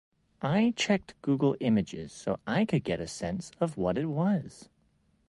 I checked Google Images so I could get a sense of what it was.